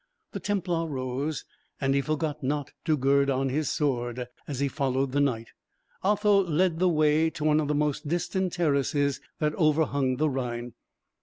The Templar rose, and he forgot not to gird on his sword as he followed the knight. Otho led the way to one of the most distant terraces that overhung the Rhine.